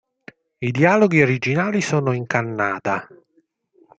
I dialoghi originali sono in kannada.